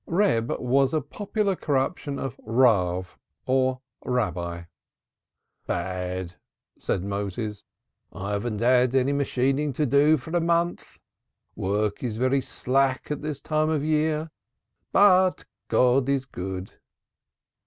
Reb was a popular corruption of "Rav" or Rabbi. "Bad," replied Moses. "I haven't had any machining to do for a month. Work is very slack at this time of year. But God is good."